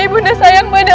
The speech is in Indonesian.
ibu undang sayang padamu